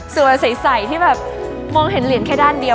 สวยใสที่แบบมองเห็นเหรียญแค่ด้านเดียว